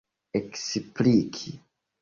ekspliki